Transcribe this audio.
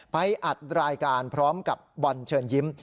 อัดรายการพร้อมกับบอลเชิญยิ้ม